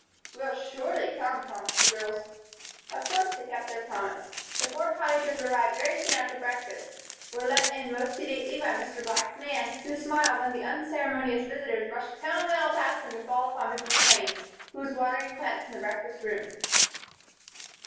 "We'll surely come," promised the girls. Of course they kept their promise. The four Cottagers arrived very soon after breakfast, were let in most sedately by Mr. Black's man, who smiled when the unceremonious visitors rushed pell mell past him to fall upon Mrs. Crane, who was watering plants in the breakfast room.